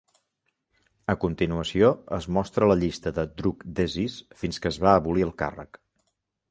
A continuació es mostra la llista de Druk Desis fins que es va abolir el càrrec.